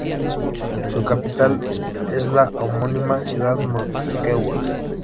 Su capital es la homónima ciudad Moquegua.